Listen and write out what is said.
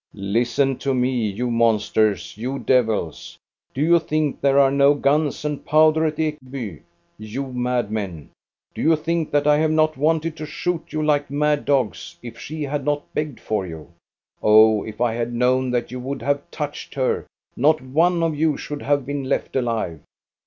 " Listen to me, you monsters, you devils ! Do you think there are no guns and powder at Ekeby, you madmen } Do you think that I have not wanted to shoot you like mad dogs, if she had not begged for you.? Oh, if I had known that you would have touched her, not one of you should have been left alive